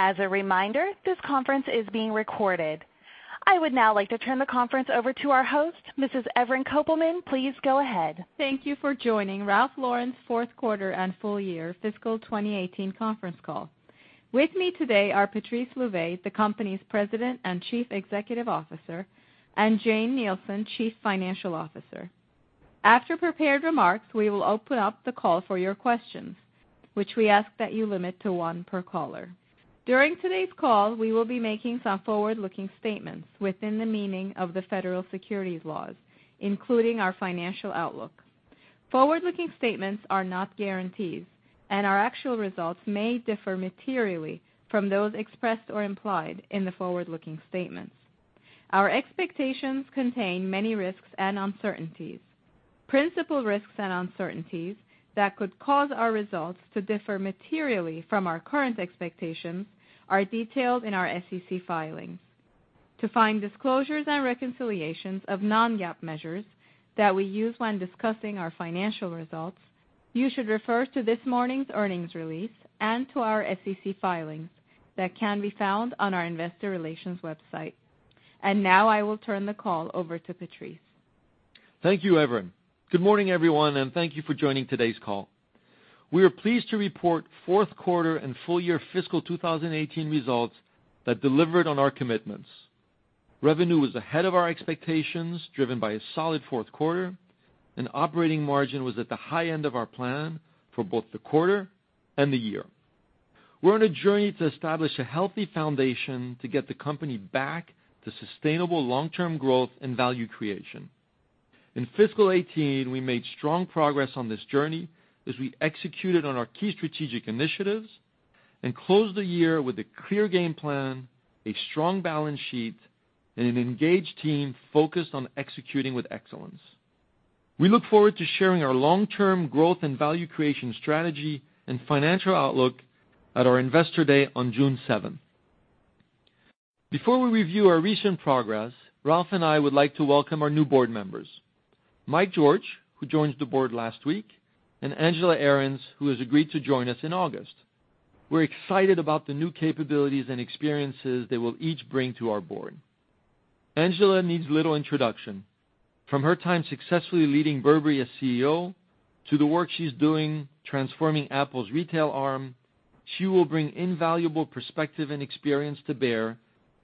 As a reminder, this conference is being recorded. I would now like to turn the conference over to our host, Mrs. Evren Kopelman. Please go ahead. Thank you for joining Ralph Lauren's fourth quarter and full year fiscal 2018 conference call. With me today are Patrice Louvet, the company's President and Chief Executive Officer, and Jane Nielsen, Chief Financial Officer. After prepared remarks, we will open up the call for your questions, which we ask that you limit to one per caller. During today's call, we will be making some forward-looking statements within the meaning of the federal securities laws, including our financial outlook. Forward-looking statements are not guarantees, and our actual results may differ materially from those expressed or implied in the forward-looking statements. Our expectations contain many risks and uncertainties. Principal risks and uncertainties that could cause our results to differ materially from our current expectations are detailed in our SEC filings. To find disclosures and reconciliations of non-GAAP measures that we use when discussing our financial results, you should refer to this morning's earnings release and to our SEC filings that can be found on our investor relations website. Now I will turn the call over to Patrice. Thank you, Evren. Good morning, everyone, and thank you for joining today's call. We are pleased to report fourth quarter and full year fiscal 2018 results that delivered on our commitments. Revenue was ahead of our expectations, driven by a solid fourth quarter, and operating margin was at the high end of our plan for both the quarter and the year. We're on a journey to establish a healthy foundation to get the company back to sustainable long-term growth and value creation. In fiscal 2018, we made strong progress on this journey as we executed on our key strategic initiatives and closed the year with a clear game plan, a strong balance sheet, and an engaged team focused on executing with excellence. We look forward to sharing our long-term growth and value creation strategy and financial outlook at our Investor Day on June 7th. Before we review our recent progress, Ralph and I would like to welcome our new board members. Mike George, who joined the board last week, and Angela Ahrendts, who has agreed to join us in August. We're excited about the new capabilities and experiences they will each bring to our board. Angela needs little introduction. From her time successfully leading Burberry as CEO to the work she's doing transforming Apple's retail arm, she will bring invaluable perspective and experience to bear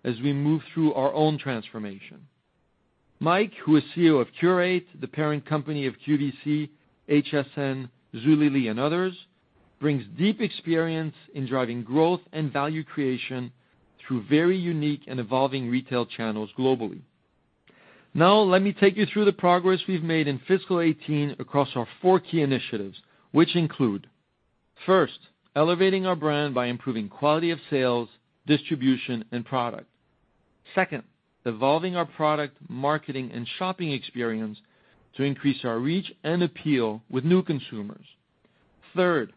as we move through our own transformation. Mike, who is CEO of Qurate, the parent company of QVC, HSN, Zulily, and others, brings deep experience in driving growth and value creation through very unique and evolving retail channels globally. Now, let me take you through the progress we've made in fiscal 2018 across our four key initiatives, which include, first, elevating our brand by improving quality of sales, distribution, and product. Second, evolving our product, marketing, and shopping experience to increase our reach and appeal with new consumers. Third,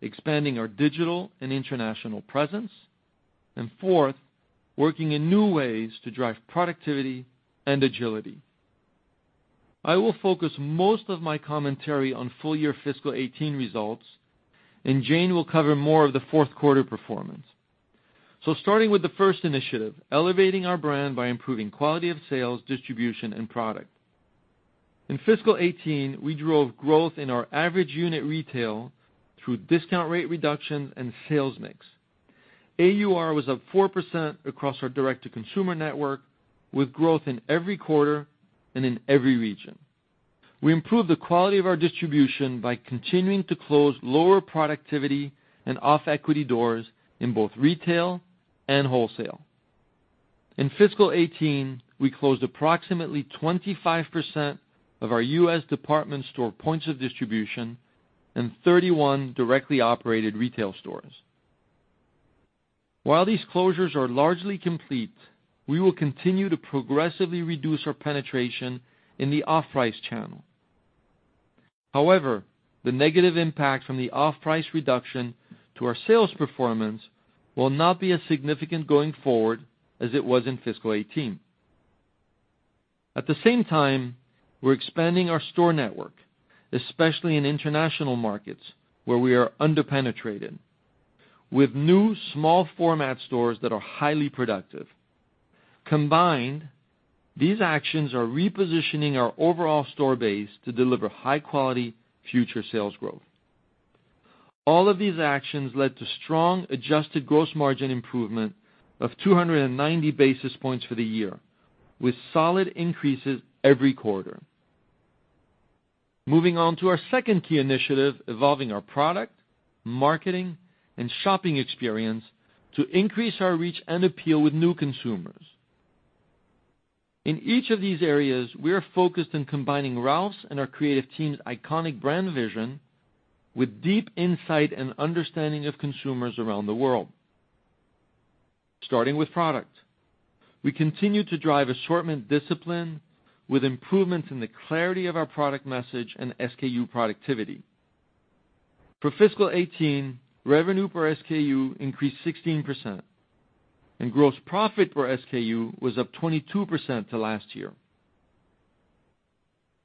expanding our digital and international presence. Fourth, working in new ways to drive productivity and agility. I will focus most of my commentary on full-year fiscal 2018 results, and Jane will cover more of the fourth quarter performance. Starting with the first initiative, elevating our brand by improving quality of sales, distribution, and product. In fiscal 2018, we drove growth in our average unit retail through discount rate reductions and sales mix. AUR was up 4% across our direct-to-consumer network, with growth in every quarter and in every region. We improved the quality of our distribution by continuing to close lower productivity and off-equity doors in both retail and wholesale. In fiscal 2018, we closed approximately 25% of our U.S. department store points of distribution and 31 directly operated retail stores. While these closures are largely complete, we will continue to progressively reduce our penetration in the off-price channel. However, the negative impact from the off-price reduction to our sales performance will not be as significant going forward as it was in fiscal 2018. At the same time, we're expanding our store network, especially in international markets where we are under-penetrated, with new small format stores that are highly productive. Combined, these actions are repositioning our overall store base to deliver high-quality future sales growth. All of these actions led to strong adjusted gross margin improvement of 290 basis points for the year, with solid increases every quarter. Moving on to our second key initiative, evolving our product, marketing, and shopping experience to increase our reach and appeal with new consumers. In each of these areas, we are focused on combining Ralph's and our creative team's iconic brand vision with deep insight and understanding of consumers around the world. Starting with product. We continue to drive assortment discipline with improvements in the clarity of our product message and SKU productivity. For fiscal 2018, revenue per SKU increased 16%, and gross profit per SKU was up 22% to last year.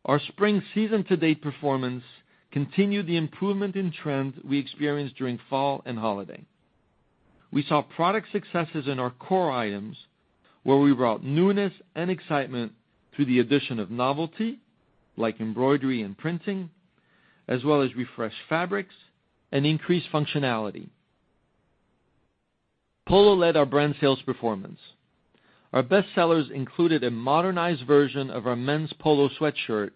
Our spring season to-date performance continued the improvement in trend we experienced during fall and holiday. We saw product successes in our core items, where we brought newness and excitement through the addition of novelty, like embroidery and printing, as well as refreshed fabrics and increased functionality. Polo led our brand sales performance. Our bestsellers included a modernized version of our men's polo sweatshirt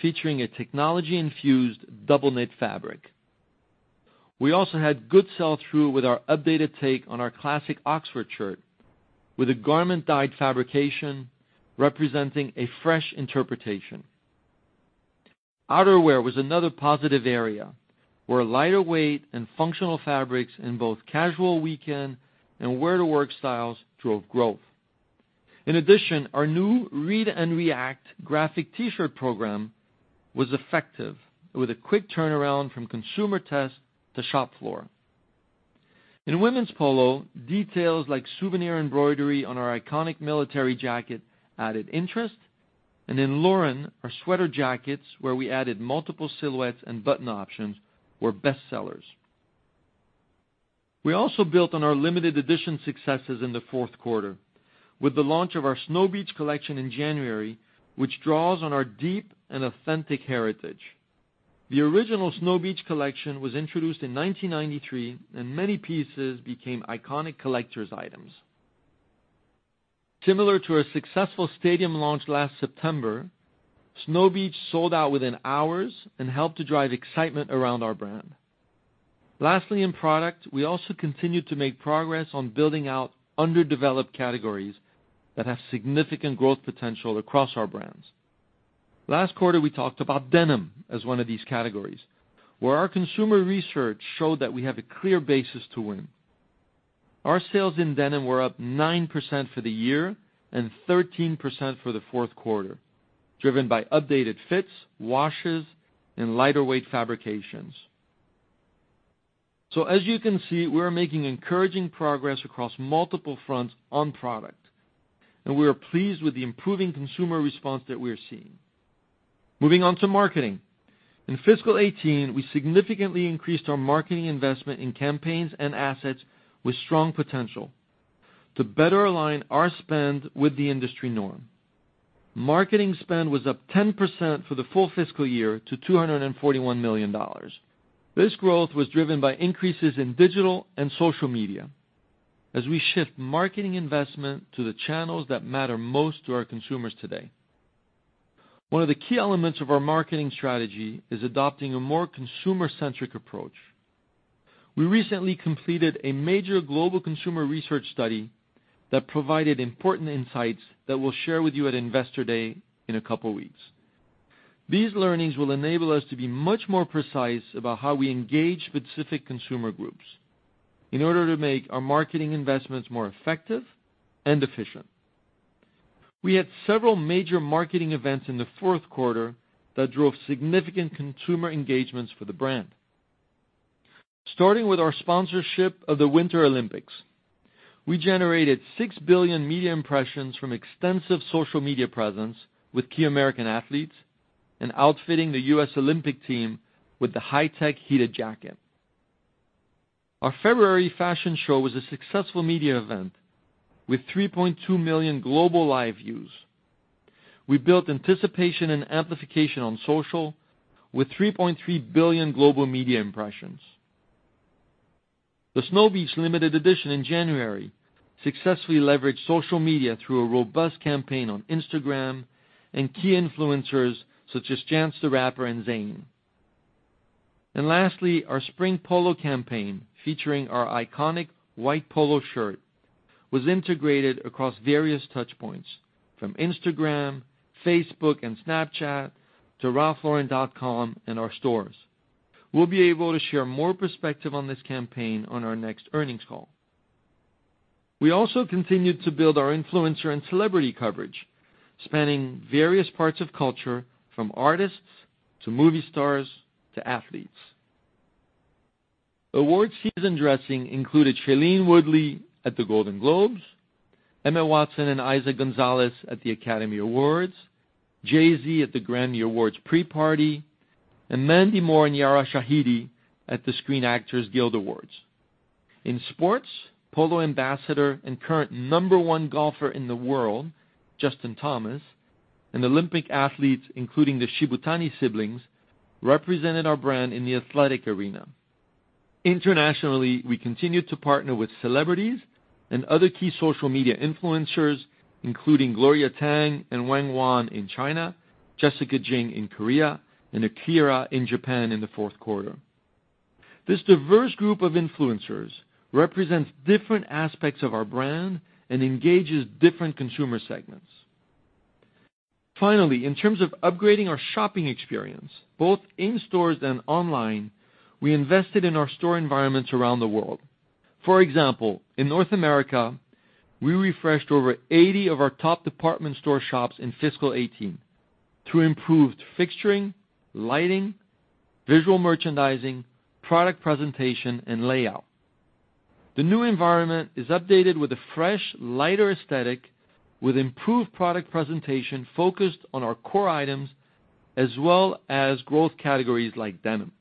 featuring a technology-infused double knit fabric. We also had good sell-through with our updated take on our classic Oxford shirt, with a garment dyed fabrication representing a fresh interpretation. Outerwear was another positive area, where lighter weight and functional fabrics in both casual weekend and wear-to-work styles drove growth. In addition, our new read and react graphic T-shirt program was effective, with a quick turnaround from consumer test to shop floor. In women's polo, details like souvenir embroidery on our iconic military jacket added interest. In Lauren, our sweater jackets, where we added multiple silhouettes and button options, were bestsellers. We also built on our limited edition successes in the fourth quarter with the launch of our Snow Beach collection in January, which draws on our deep and authentic heritage. The original Snow Beach collection was introduced in 1993. Many pieces became iconic collector's items. Similar to our successful Stadium launch last September, Snow Beach sold out within hours and helped to drive excitement around our brand. In product, we also continued to make progress on building out underdeveloped categories that have significant growth potential across our brands. Last quarter, we talked about denim as one of these categories, where our consumer research showed that we have a clear basis to win. Our sales in denim were up 9% for the year and 13% for the fourth quarter, driven by updated fits, washes, and lighter weight fabrications. As you can see, we are making encouraging progress across multiple fronts on product, and we are pleased with the improving consumer response that we are seeing. Moving on to marketing. In fiscal 2018, we significantly increased our marketing investment in campaigns and assets with strong potential to better align our spend with the industry norm. Marketing spend was up 10% for the full fiscal year to $241 million. This growth was driven by increases in digital and social media as we shift marketing investment to the channels that matter most to our consumers today. One of the key elements of our marketing strategy is adopting a more consumer-centric approach. We recently completed a major global consumer research study that provided important insights that we'll share with you at Investor Day in a couple of weeks. These learnings will enable us to be much more precise about how we engage specific consumer groups in order to make our marketing investments more effective and efficient. We had several major marketing events in the fourth quarter that drove significant consumer engagements for the brand. Starting with our sponsorship of the Winter Olympics, we generated 6 billion media impressions from extensive social media presence with key American athletes and outfitting the U.S. Olympic team with the high-tech heated jacket. Our February fashion show was a successful media event with 3.2 million global live views. We built anticipation and amplification on social with 3.3 billion global media impressions. The Snow Beach limited edition in January successfully leveraged social media through a robust campaign on Instagram and key influencers such as Chance the Rapper and Zayn. Lastly, our spring polo campaign featuring our iconic white polo shirt was integrated across various touchpoints, from Instagram, Facebook, and Snapchat to ralphlauren.com and our stores. We'll be able to share more perspective on this campaign on our next earnings call. We also continued to build our influencer and celebrity coverage, spanning various parts of culture from artists to movie stars to athletes. Awards season dressing included Shailene Woodley at the Golden Globes, Emma Watson and Eiza González at the Academy Awards, Jay-Z at the Grammy Awards pre-party, and Mandy Moore and Yara Shahidi at the Screen Actors Guild Awards. In sports, Polo ambassador and current number one golfer in the world, Justin Thomas, and Olympic athletes, including the Shibutani siblings, represented our brand in the athletic arena. Internationally, we continued to partner with celebrities and other key social media influencers, including Gloria Tang and Wanwan in China, Jessica Jung in Korea, and Akira in Japan in the fourth quarter. This diverse group of influencers represents different aspects of our brand and engages different consumer segments. Finally, in terms of upgrading our shopping experience, both in stores and online, we invested in our store environments around the world. For example, in North America, we refreshed over 80 of our top department store shops in fiscal 2018 through improved fixturing, lighting, visual merchandising, product presentation, and layout. The new environment is updated with a fresh, lighter aesthetic with improved product presentation focused on our core items as well as growth categories like denim.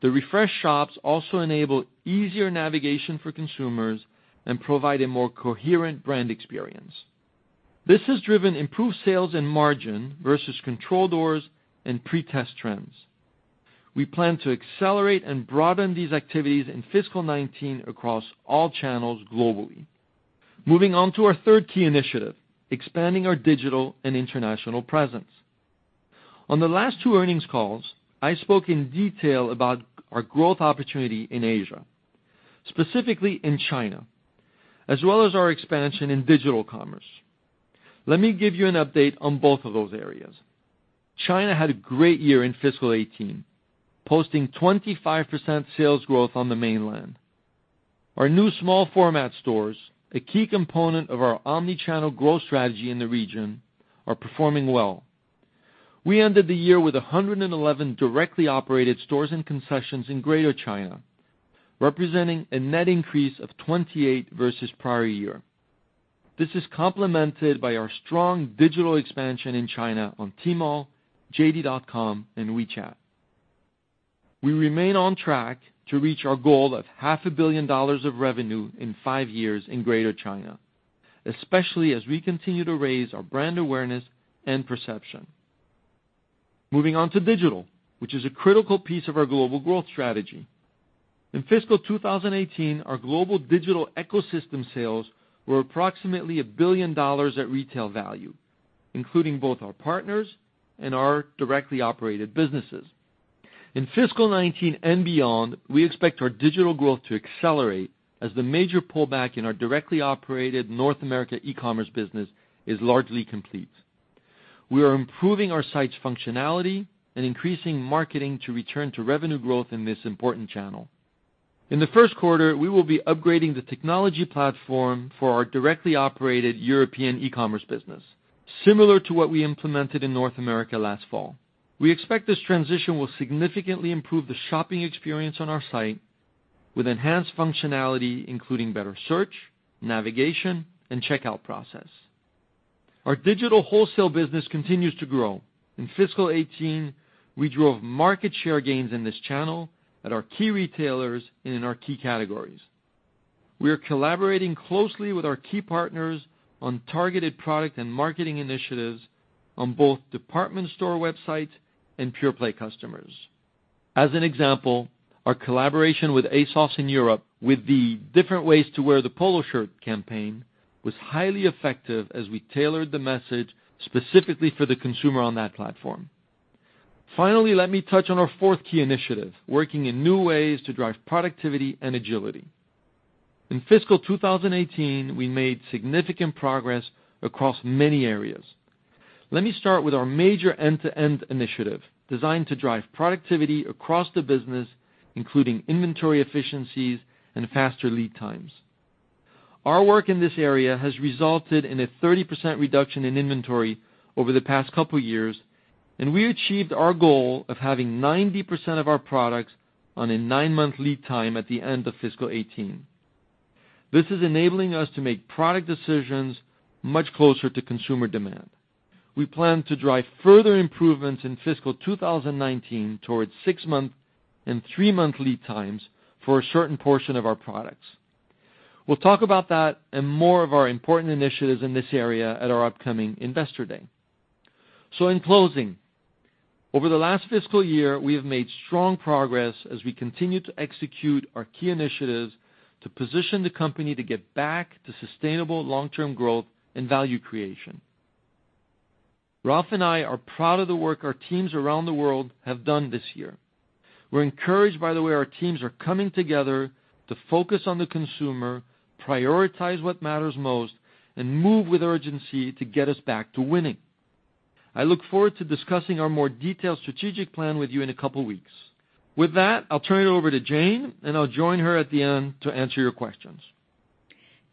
The refreshed shops also enable easier navigation for consumers and provide a more coherent brand experience. This has driven improved sales and margin versus control doors and pre-test trends. We plan to accelerate and broaden these activities in fiscal 2019 across all channels globally. Moving on to our third key initiative, expanding our digital and international presence. On the last two earnings calls, I spoke in detail about our growth opportunity in Asia, specifically in China, as well as our expansion in digital commerce. Let me give you an update on both of those areas. China had a great year in fiscal 2018, posting 25% sales growth on the mainland. Our new small format stores, a key component of our omni-channel growth strategy in the region, are performing well. We ended the year with 111 directly operated stores and concessions in Greater China, representing a net increase of 28 versus prior year. This is complemented by our strong digital expansion in China on Tmall, JD.com and WeChat. We remain on track to reach our goal of half a billion dollars of revenue in five years in Greater China, especially as we continue to raise our brand awareness and perception. Moving on to digital, which is a critical piece of our global growth strategy. In fiscal 2018, our global digital ecosystem sales were approximately $1 billion at retail value, including both our partners and our directly operated businesses. In fiscal 2019 and beyond, we expect our digital growth to accelerate as the major pullback in our directly operated North America e-commerce business is largely complete. We are improving our site's functionality and increasing marketing to return to revenue growth in this important channel. In the first quarter, we will be upgrading the technology platform for our directly operated European e-commerce business, similar to what we implemented in North America last fall. We expect this transition will significantly improve the shopping experience on our site with enhanced functionality, including better search, navigation, and checkout process. Our digital wholesale business continues to grow. In fiscal 2018, we drove market share gains in this channel at our key retailers and in our key categories. We are collaborating closely with our key partners on targeted product and marketing initiatives on both department store websites and pure-play customers. As an example, our collaboration with ASOS in Europe with the different ways to wear the Polo shirt campaign was highly effective as we tailored the message specifically for the consumer on that platform. Finally, let me touch on our fourth key initiative, working in new ways to drive productivity and agility. In fiscal 2018, we made significant progress across many areas. Let me start with our major end-to-end initiative designed to drive productivity across the business, including inventory efficiencies and faster lead times. Our work in this area has resulted in a 30% reduction in inventory over the past couple of years, and we achieved our goal of having 90% of our products on a nine-month lead time at the end of fiscal 2018. This is enabling us to make product decisions much closer to consumer demand. We plan to drive further improvements in fiscal 2019 towards six-month and three-month lead times for a certain portion of our products. We'll talk about that and more of our important initiatives in this area at our upcoming Investor Day. In closing, over the last fiscal year, we have made strong progress as we continue to execute our key initiatives to position the company to get back to sustainable long-term growth and value creation. Ralph and I are proud of the work our teams around the world have done this year. We're encouraged by the way our teams are coming together to focus on the consumer, prioritize what matters most, and move with urgency to get us back to winning. I look forward to discussing our more detailed strategic plan with you in a couple of weeks. With that, I'll turn it over to Jane, and I'll join her at the end to answer your questions.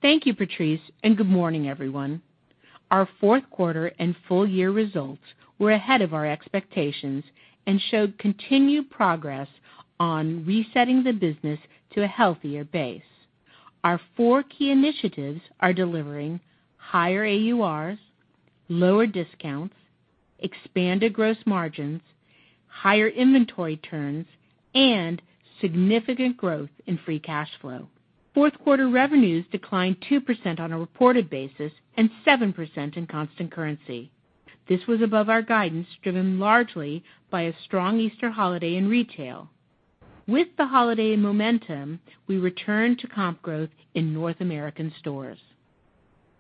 Thank you, Patrice, and good morning, everyone. Our fourth quarter and full-year results were ahead of our expectations and showed continued progress on resetting the business to a healthier base. Our four key initiatives are delivering higher AURs, lower discounts, expanded gross margins, higher inventory turns, and significant growth in free cash flow. Fourth quarter revenues declined 2% on a reported basis and 7% in constant currency. This was above our guidance, driven largely by a strong Easter holiday in retail. With the holiday momentum, we returned to comp growth in North American stores.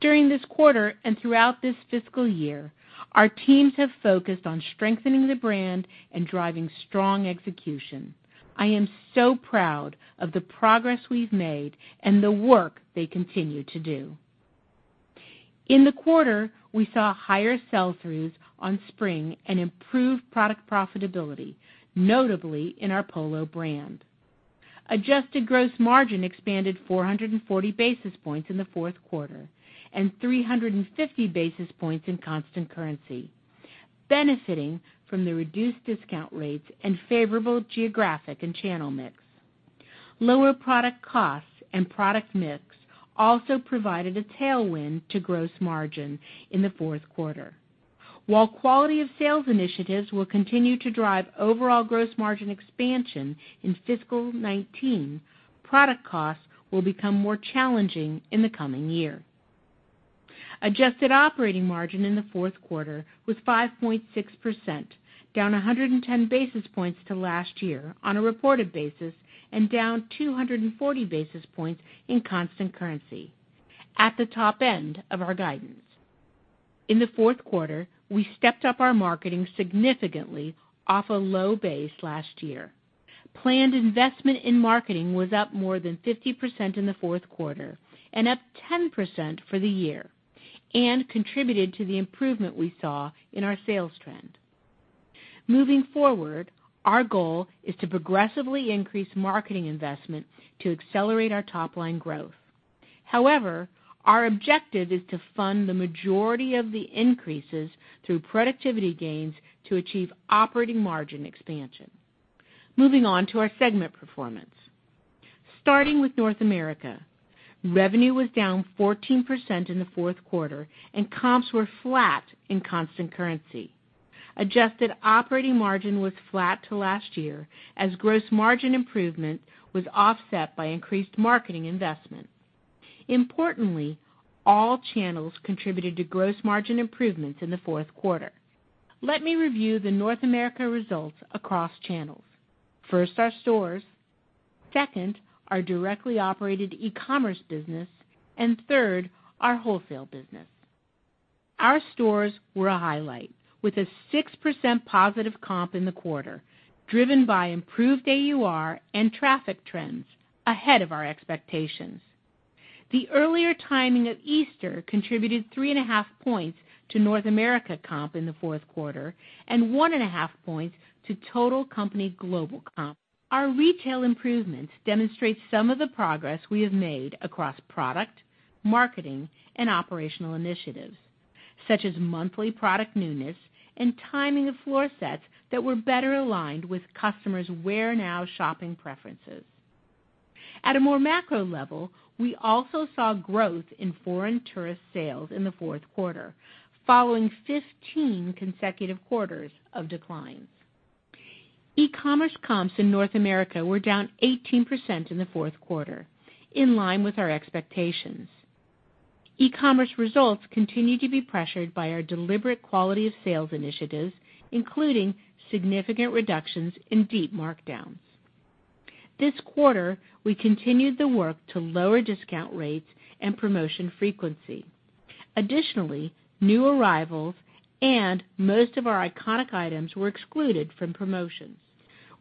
During this quarter and throughout this fiscal year, our teams have focused on strengthening the brand and driving strong execution. I am so proud of the progress we've made and the work they continue to do. In the quarter, we saw higher sell-throughs on spring and improved product profitability, notably in our Polo brand. Adjusted gross margin expanded 440 basis points in the fourth quarter and 350 basis points in constant currency, benefiting from the reduced discount rates and favorable geographic and channel mix. Lower product costs and product mix also provided a tailwind to gross margin in the fourth quarter. While quality of sales initiatives will continue to drive overall gross margin expansion in fiscal 2019, product costs will become more challenging in the coming year. Adjusted operating margin in the fourth quarter was 5.6%, down 110 basis points to last year on a reported basis and down 240 basis points in constant currency at the top end of our guidance. In the fourth quarter, we stepped up our marketing significantly off a low base last year. Planned investment in marketing was up more than 50% in the fourth quarter and up 10% for the year, contributed to the improvement we saw in our sales trend. Moving forward, our goal is to progressively increase marketing investment to accelerate our top-line growth. However, our objective is to fund the majority of the increases through productivity gains to achieve operating margin expansion. Moving on to our segment performance. Starting with North America. Revenue was down 14% in the fourth quarter, and comps were flat in constant currency. Adjusted operating margin was flat to last year as gross margin improvement was offset by increased marketing investments. Importantly, all channels contributed to gross margin improvements in the fourth quarter. Let me review the North America results across channels. First, our stores. Second, our directly operated e-commerce business. Third, our wholesale business. Our stores were a highlight, with a 6% positive comp in the quarter, driven by improved AUR and traffic trends ahead of our expectations. The earlier timing of Easter contributed three and a half points to North America comp in the fourth quarter and one and a half points to total company global comp. Our retail improvements demonstrate some of the progress we have made across product, marketing, and operational initiatives, such as monthly product newness and timing of floor sets that were better aligned with customers' wear-now shopping preferences. At a more macro level, we also saw growth in foreign tourist sales in the fourth quarter, following 15 consecutive quarters of declines. E-commerce comps in North America were down 18% in the fourth quarter, in line with our expectations. E-commerce results continue to be pressured by our deliberate quality-of-sales initiatives, including significant reductions in deep markdowns. This quarter, we continued the work to lower discount rates and promotion frequency. Additionally, new arrivals and most of our iconic items were excluded from promotions.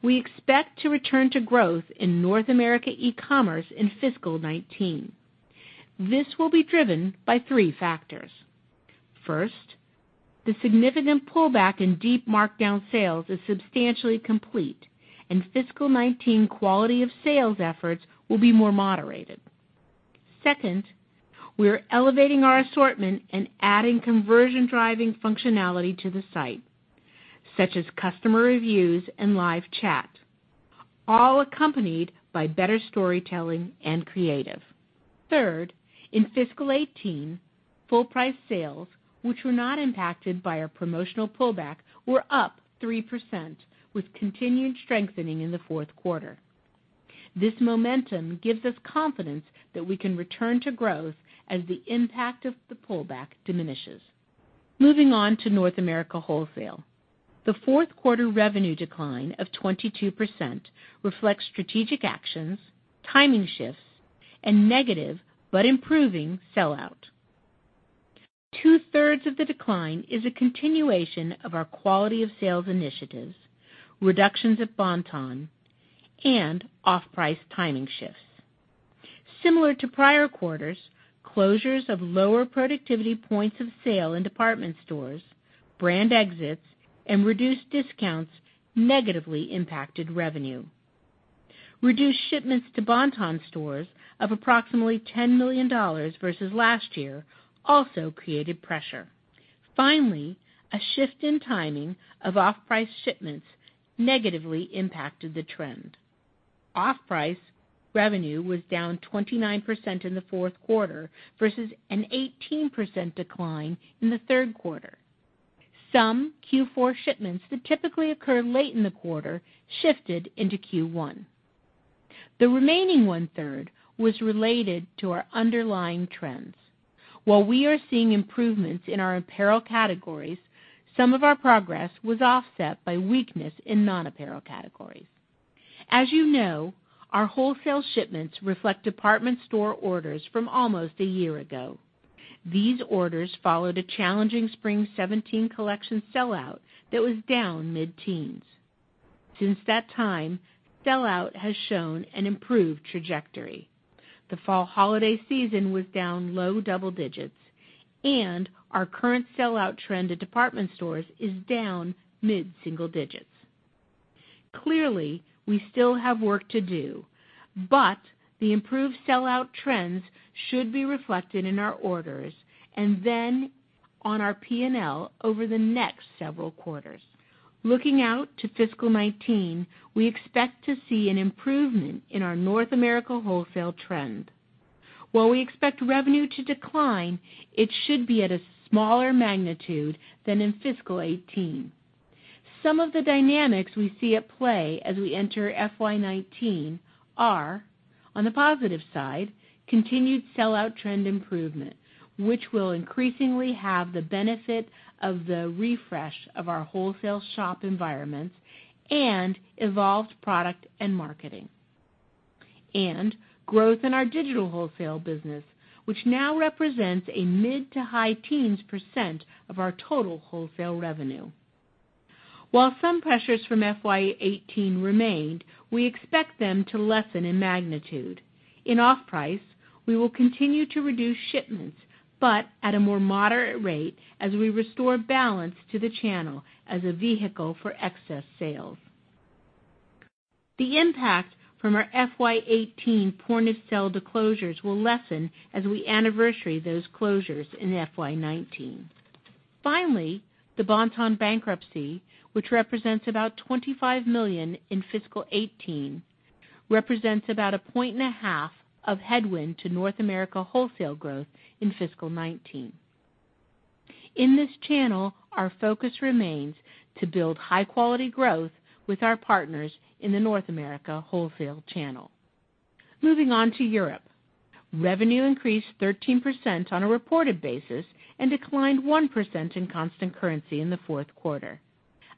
We expect to return to growth in North America e-commerce in fiscal 2019. This will be driven by three factors. First, the significant pullback in deep markdown sales is substantially complete, and fiscal 2019 quality of sales efforts will be more moderated. Second, we are elevating our assortment and adding conversion-driving functionality to the site, such as customer reviews and live chat, all accompanied by better storytelling and creative. Third, in fiscal 2018, full price sales, which were not impacted by our promotional pullback, were up 3% with continued strengthening in the fourth quarter. This momentum gives us confidence that we can return to growth as the impact of the pullback diminishes. Moving on to North America wholesale. The fourth quarter revenue decline of 22% reflects strategic actions, timing shifts, and negative but improving sell-out. Two-thirds of the decline is a continuation of our quality of sales initiatives, reductions at Bon-Ton, and off-price timing shifts. Similar to prior quarters, closures of lower productivity points of sale in department stores, brand exits, and reduced discounts negatively impacted revenue. Reduced shipments to Bon-Ton stores of approximately $10 million versus last year also created pressure. Finally, a shift in timing of off-price shipments negatively impacted the trend. Off-price revenue was down 29% in the fourth quarter versus an 18% decline in the third quarter. Some Q4 shipments that typically occur late in the quarter shifted into Q1. The remaining one-third was related to our underlying trends. While we are seeing improvements in our apparel categories, some of our progress was offset by weakness in non-apparel categories. As you know, our wholesale shipments reflect department store orders from almost a year ago. These orders followed a challenging spring 2017 collection sell-out that was down mid-teens. Since that time, sell-out has shown an improved trajectory. The fall holiday season was down low double digits, and our current sell-out trend at department stores is down mid-single digits. Clearly, we still have work to do, but the improved sell-out trends should be reflected in our orders and then on our P&L over the next several quarters. Looking out to fiscal 2019, we expect to see an improvement in our North America wholesale trend. While we expect revenue to decline, it should be at a smaller magnitude than in fiscal 2018. Some of the dynamics we see at play as we enter FY 2019 are, on the positive side, continued sell-out trend improvement, which will increasingly have the benefit of the refresh of our wholesale shop environments and evolved product and marketing. Growth in our digital wholesale business, which now represents a mid to high teens% of our total wholesale revenue. While some pressures from FY 2018 remained, we expect them to lessen in magnitude. In off-price, we will continue to reduce shipments, but at a more moderate rate as we restore balance to the channel as a vehicle for excess sales. The impact from our FY 2018 point-of-sale closures will lessen as we anniversary those closures in FY 2019. Finally, the Bon-Ton bankruptcy, which represents about $25 million in fiscal 2018, represents about a point and a half of headwind to North America wholesale growth in fiscal 2019. In this channel, our focus remains to build high-quality growth with our partners in the North America wholesale channel. Moving on to Europe. Revenue increased 13% on a reported basis and declined 1% in constant currency in the fourth quarter.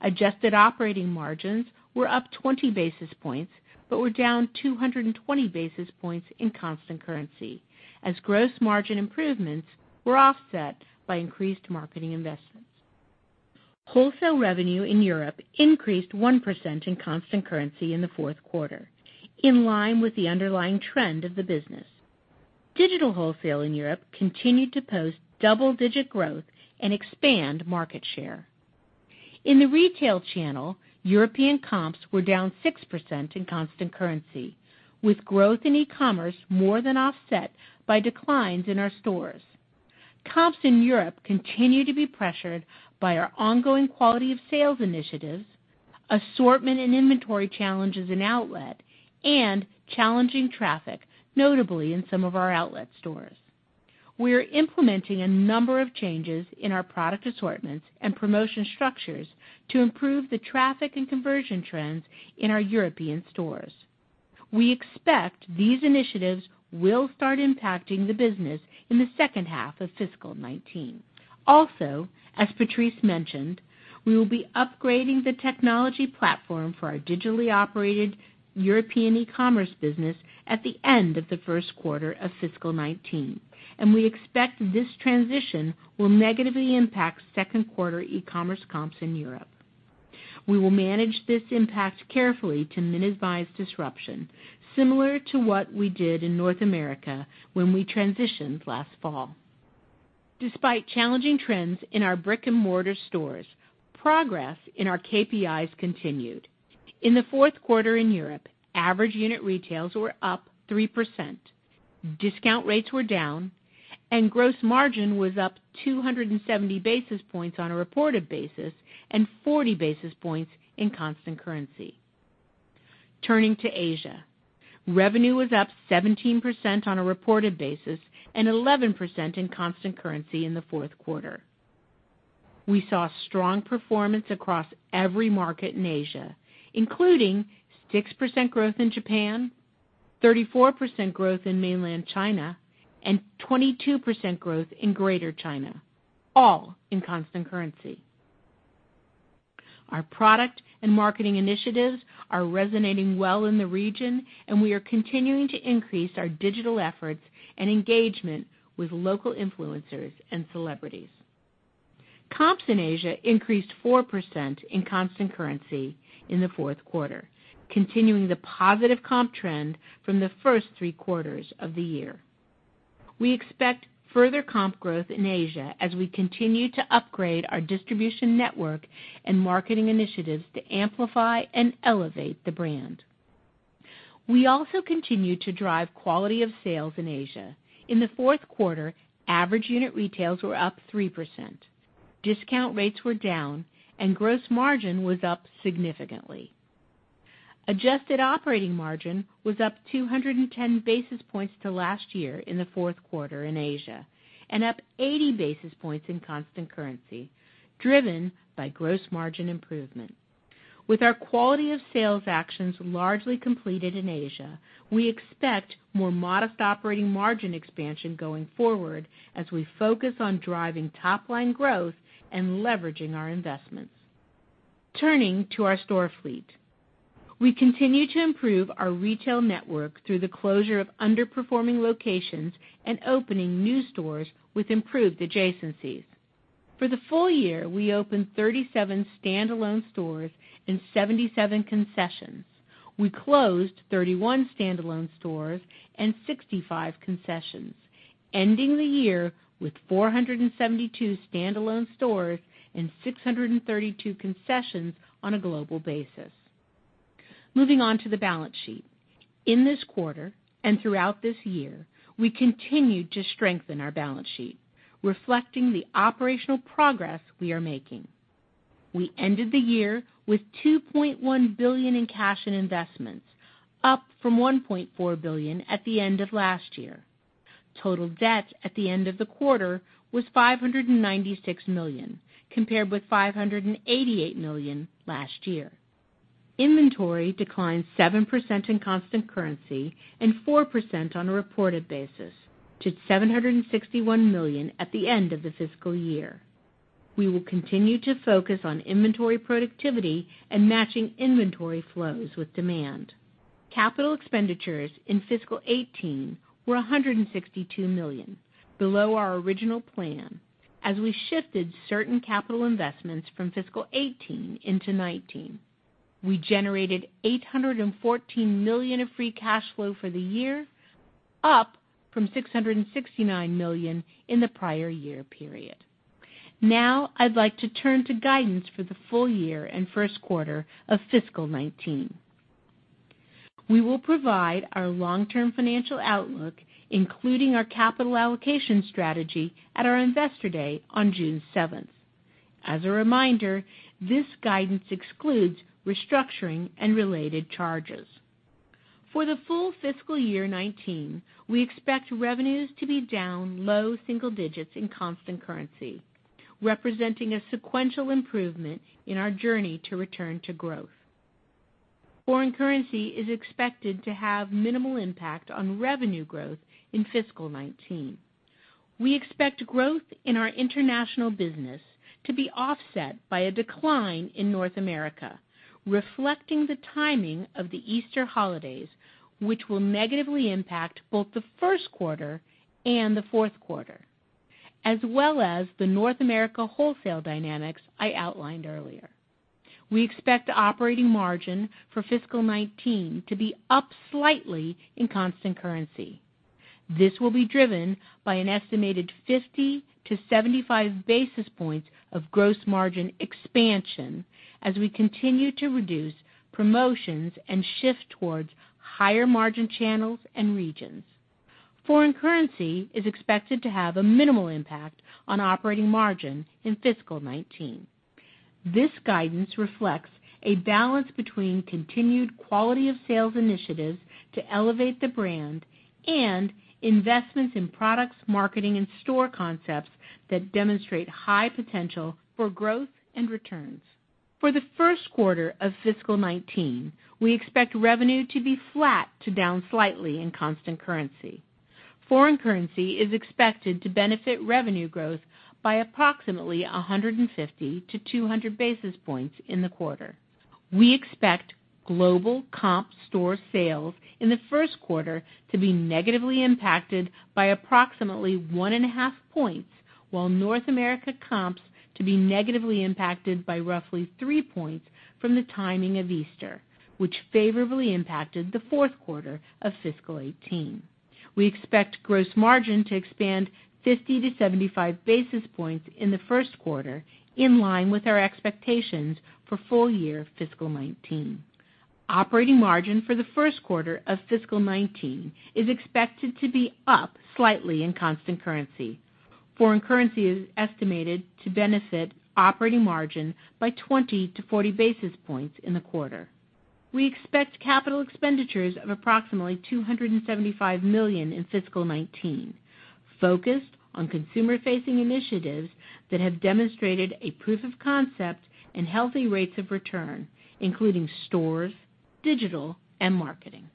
Adjusted operating margins were up 20 basis points, but were down 220 basis points in constant currency as gross margin improvements were offset by increased marketing investments. Wholesale revenue in Europe increased 1% in constant currency in the fourth quarter, in line with the underlying trend of the business. Digital wholesale in Europe continued to post double-digit growth and expand market share. In the retail channel, European comps were down 6% in constant currency, with growth in e-commerce more than offset by declines in our stores. Comps in Europe continue to be pressured by our ongoing quality of sales initiatives, assortment and inventory challenges in outlet, and challenging traffic, notably in some of our outlet stores. We are implementing a number of changes in our product assortments and promotion structures to improve the traffic and conversion trends in our European stores. We expect these initiatives will start impacting the business in the second half of fiscal 2019. Also, as Patrice mentioned, we will be upgrading the technology platform for our digitally operated European e-commerce business at the end of the first quarter of fiscal 2019, and we expect this transition will negatively impact second quarter e-commerce comps in Europe. We will manage this impact carefully to minimize disruption, similar to what we did in North America when we transitioned last fall. Despite challenging trends in our brick-and-mortar stores, progress in our KPIs continued. In the fourth quarter in Europe, average unit retails were up 3%, discount rates were down, and gross margin was up 270 basis points on a reported basis and 40 basis points in constant currency. Turning to Asia. Revenue was up 17% on a reported basis and 11% in constant currency in the fourth quarter. We saw strong performance across every market in Asia, including 6% growth in Japan, 34% growth in mainland China, and 22% growth in Greater China, all in constant currency. Our product and marketing initiatives are resonating well in the region, and we are continuing to increase our digital efforts and engagement with local influencers and celebrities. Comps in Asia increased 4% in constant currency in the fourth quarter, continuing the positive comp trend from the first three quarters of the year. We expect further comp growth in Asia as we continue to upgrade our distribution network and marketing initiatives to amplify and elevate the brand. We also continue to drive quality of sales in Asia. In the fourth quarter, average unit retails were up 3%, discount rates were down, and gross margin was up significantly. Adjusted operating margin was up 210 basis points to last year in the fourth quarter in Asia, and up 80 basis points in constant currency, driven by gross margin improvement. With our quality of sales actions largely completed in Asia, we expect more modest operating margin expansion going forward as we focus on driving top-line growth and leveraging our investments. Turning to our store fleet. We continue to improve our retail network through the closure of underperforming locations and opening new stores with improved adjacencies. For the full year, we opened 37 standalone stores and 77 concessions. We closed 31 standalone stores and 65 concessions, ending the year with 472 standalone stores and 632 concessions on a global basis. Moving on to the balance sheet. In this quarter, and throughout this year, we continued to strengthen our balance sheet, reflecting the operational progress we are making. We ended the year with $2.1 billion in cash and investments, up from $1.4 billion at the end of last year. Total debt at the end of the quarter was $596 million, compared with $588 million last year. Inventory declined 7% in constant currency and 4% on a reported basis to $761 million at the end of the fiscal year. We will continue to focus on inventory productivity and matching inventory flows with demand. Capital expenditures in fiscal 2018 were $162 million, below our original plan as we shifted certain capital investments from fiscal 2018 into 2019. We generated $814 million of free cash flow for the year, up from $669 million in the prior year period. I'd like to turn to guidance for the full year and first quarter of fiscal 2019. We will provide our long-term financial outlook, including our capital allocation strategy at our Investor Day on June 7th. As a reminder, this guidance excludes restructuring and related charges. For the full fiscal year 2019, we expect revenues to be down low single digits in constant currency, representing a sequential improvement in our journey to return to growth. Foreign currency is expected to have minimal impact on revenue growth in fiscal 2019. We expect growth in our international business to be offset by a decline in North America, reflecting the timing of the Easter holidays, which will negatively impact both the first quarter and the fourth quarter, as well as the North America wholesale dynamics I outlined earlier. We expect operating margin for fiscal 2019 to be up slightly in constant currency. This will be driven by an estimated 50-75 basis points of gross margin expansion as we continue to reduce promotions and shift towards higher margin channels and regions. Foreign currency is expected to have a minimal impact on operating margin in fiscal 2019. This guidance reflects a balance between continued quality of sales initiatives to elevate the brand and investments in products, marketing, and store concepts that demonstrate high potential for growth and returns. For the first quarter of fiscal 2019, we expect revenue to be flat to down slightly in constant currency. Foreign currency is expected to benefit revenue growth by approximately 150-200 basis points in the quarter. We expect global comp store sales in the first quarter to be negatively impacted by approximately 1.5 points, while North America comps to be negatively impacted by roughly three points from the timing of Easter, which favorably impacted the fourth quarter of fiscal 2018. We expect gross margin to expand 50-75 basis points in the first quarter, in line with our expectations for full year fiscal 2019. Operating margin for the first quarter of fiscal 2019 is expected to be up slightly in constant currency. Foreign currency is estimated to benefit operating margin by 20-40 basis points in the quarter. We expect capital expenditures of approximately $275 million in fiscal 2019, focused on consumer-facing initiatives that have demonstrated a proof of concept and healthy rates of return, including stores, digital, and marketing.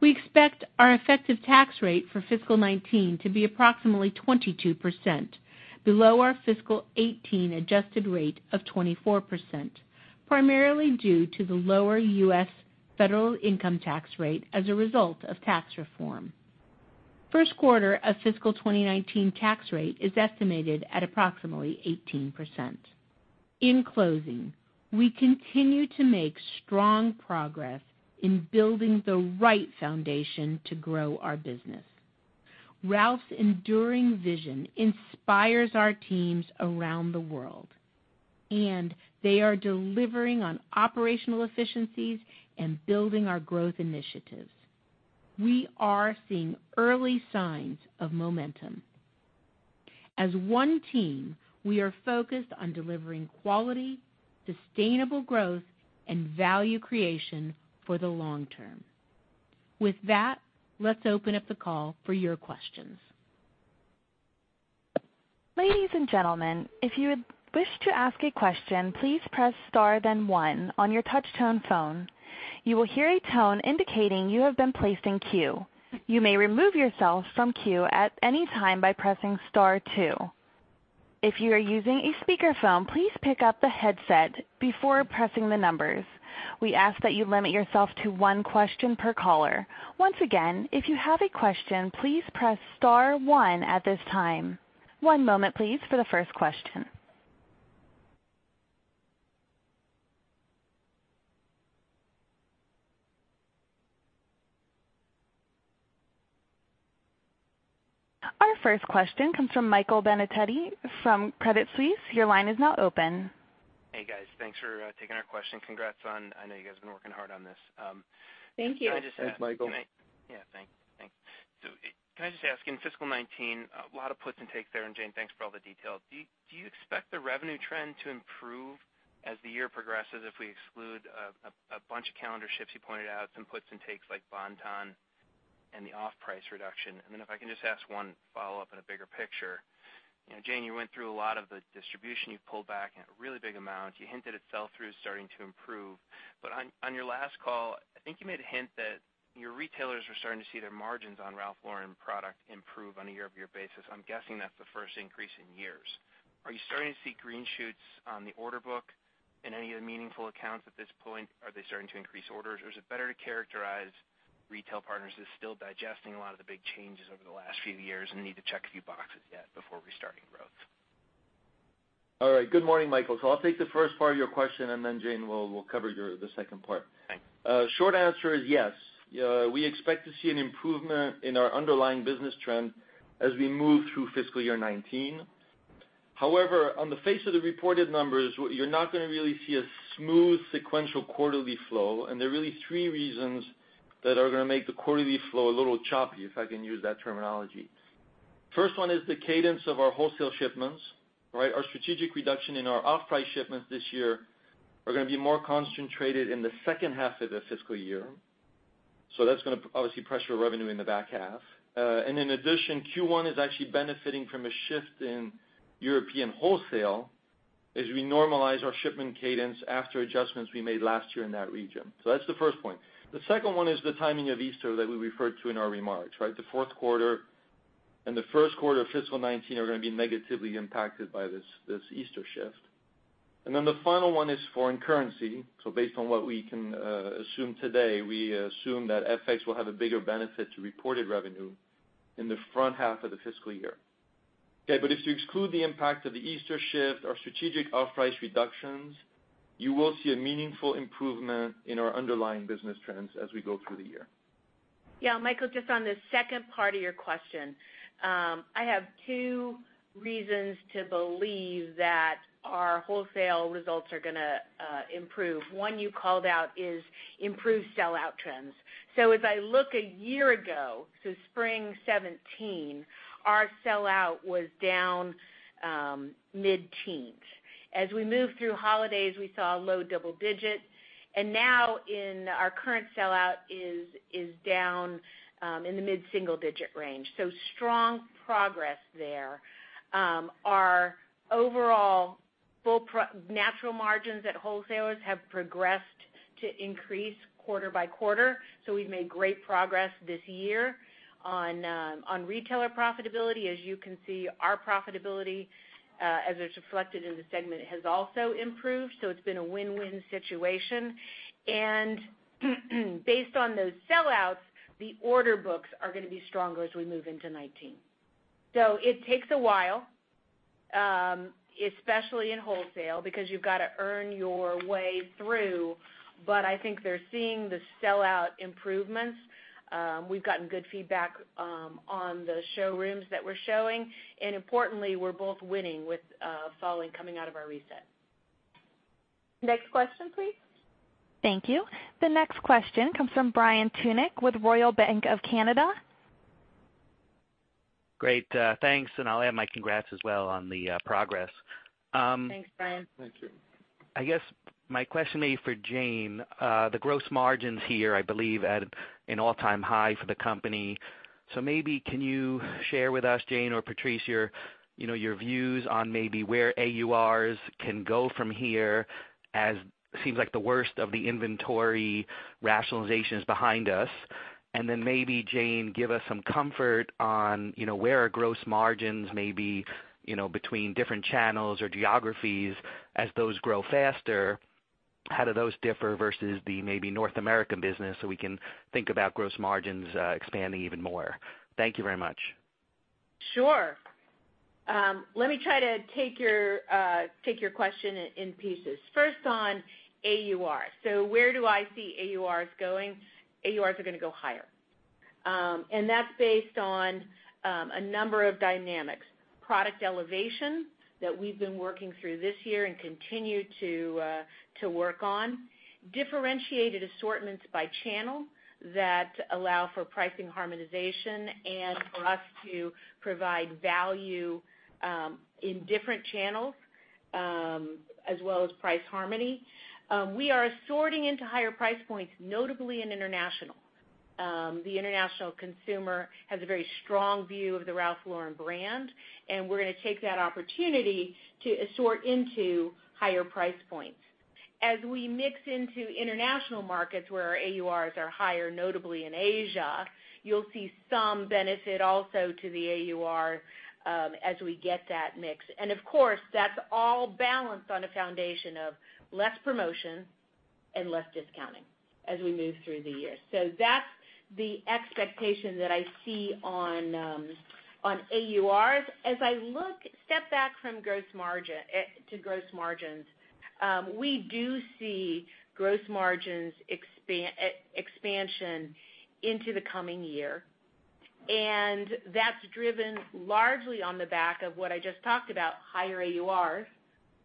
We expect our effective tax rate for fiscal 2019 to be approximately 22%, below our fiscal 2018 adjusted rate of 24%, primarily due to the lower U.S. federal income tax rate as a result of tax reform. First quarter of fiscal 2019 tax rate is estimated at approximately 18%. In closing, we continue to make strong progress in building the right foundation to grow our business. Ralph's enduring vision inspires our teams around the world. They are delivering on operational efficiencies and building our growth initiatives. We are seeing early signs of momentum. As one team, we are focused on delivering quality, sustainable growth, and value creation for the long term. With that, let's open up the call for your questions. Ladies and gentlemen, if you would wish to ask a question, please press star one on your touchtone phone. You will hear a tone indicating you have been placed in queue. You may remove yourself from queue at any time by pressing star two. If you are using a speakerphone, please pick up the headset before pressing the numbers. We ask that you limit yourself to one question per caller. Once again, if you have a question, please press star one at this time. One moment please for the first question. Our first question comes from Michael Binetti from Credit Suisse. Your line is now open. Hey, guys. Thanks for taking our question. Congrats on, I know you guys have been working hard on this. Thank you. Thanks, Michael. Yeah, thanks. Can I just ask, in fiscal 2019, a lot of puts and takes there, and Jane, thanks for all the details. Do you expect the revenue trend to improve as the year progresses, if we exclude a bunch of calendar shifts you pointed out, some puts and takes like Bon-Ton and the off-price reduction? If I can just ask one follow-up in a bigger picture. Jane, you went through a lot of the distribution. You pulled back in a really big amount. You hinted at sell-through starting to improve. But on your last call, I think you made a hint that your retailers were starting to see their margins on Ralph Lauren product improve on a year-over-year basis. I'm guessing that's the first increase in years. Are you starting to see green shoots on the order book in any of the meaningful accounts at this point? Are they starting to increase orders, or is it better to characterize retail partners as still digesting a lot of the big changes over the last few years and need to check a few boxes yet before restarting growth? All right. Good morning, Michael. I'll take the first part of your question, Jane will cover the second part. Thanks. Short answer is yes. We expect to see an improvement in our underlying business trend as we move through fiscal year 2019. On the face of the reported numbers, you're not going to really see a smooth sequential quarterly flow, and there are really three reasons that are going to make the quarterly flow a little choppy, if I can use that terminology. First one is the cadence of our wholesale shipments. Our strategic reduction in our off-price shipments this year are going to be more concentrated in the second half of the fiscal year. That's going to obviously pressure revenue in the back half. In addition, Q1 is actually benefiting from a shift in European wholesale as we normalize our shipment cadence after adjustments we made last year in that region. That's the first point. The second one is the timing of Easter that we referred to in our remarks. The fourth quarter and the first quarter of fiscal 2019 are going to be negatively impacted by this Easter shift. The final one is foreign currency. Based on what we can assume today, we assume that FX will have a bigger benefit to reported revenue in the front half of the fiscal year. If you exclude the impact of the Easter shift, our strategic off-price reductions, you will see a meaningful improvement in our underlying business trends as we go through the year. Yeah, Michael, just on the second part of your question. I have two reasons to believe that our wholesale results are going to improve. One you called out is improved sell-out trends. As I look a year ago, spring 2017, our sell-out was down mid-teens%. As we moved through holidays, we saw low double digits%, and now our current sell-out is down in the mid-single-digit% range. Strong progress there. Our overall natural margins at wholesalers have progressed to increase quarter by quarter, we've made great progress this year on retailer profitability. As you can see, our profitability, as it's reflected in the segment, has also improved, it's been a win-win situation. Based on those sell-outs, the order books are going to be stronger as we move into 2019. It takes a while, especially in wholesale, because you've got to earn your way through, I think they're seeing the sell-out improvements. We've gotten good feedback on the showrooms that we're showing, importantly, we're both winning with fall coming out of our reset. Next question, please. Thank you. The next question comes from Brian Tunick with Royal Bank of Canada. Great. Thanks. I'll add my congrats as well on the progress. Thanks, Brian. Thank you. My question maybe for Jane, the gross margins here, I believe, at an all-time high for the company. Maybe can you share with us, Jane or Patrice, your views on maybe where AURs can go from here as seems like the worst of the inventory rationalization is behind us? Maybe, Jane, give us some comfort on where our gross margins may be between different channels or geographies as those grow faster. How do those differ versus the maybe North American business, so we can think about gross margins expanding even more? Thank you very much. Sure. Let me try to take your question in pieces. First on AUR. Where do I see AURs going? AURs are going to go higher. That's based on a number of dynamics. Product elevation that we've been working through this year and continue to work on. Differentiated assortments by channel that allow for pricing harmonization and for us to provide value in different channels, as well as price harmony. We are assorting into higher price points, notably in international. The international consumer has a very strong view of the Ralph Lauren brand, and we're going to take that opportunity to assort into higher price points. As we mix into international markets where our AURs are higher, notably in Asia, you'll see some benefit also to the AUR as we get that mix. Of course, that's all balanced on a foundation of less promotion and less discounting as we move through the year. That's the expectation that I see on AURs. As I look, step back to gross margins, we do see gross margins expansion into the coming year. That's driven largely on the back of what I just talked about, higher AURs,